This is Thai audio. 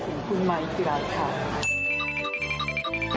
ละคุณผู้ชมมันไม่จบเท่านี้นะคะ